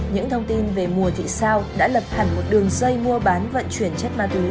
những thông tin về mùa thị sao đã lập hẳn một đường dây mua bán vận chuyển chất ma túy